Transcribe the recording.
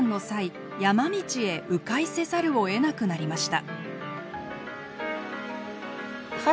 山道へ迂回せざるをえなくなりました。